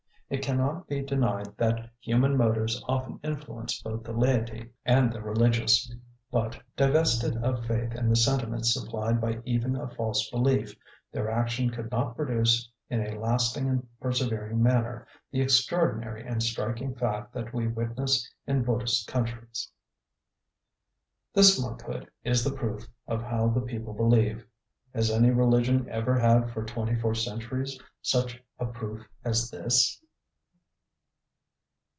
It cannot be denied that human motives often influence both the laity and the religious, but, divested of faith and the sentiments supplied by even a false belief, their action could not produce in a lasting and persevering manner the extraordinary and striking fact that we witness in Buddhist countries.' This monkhood is the proof of how the people believe. Has any religion ever had for twenty four centuries such a proof as this?